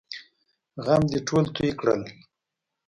غم دې ټول توی کړل!